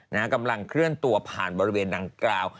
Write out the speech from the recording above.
กำลังเคลื่อนตัวผ่านบริเวณดังกล่าว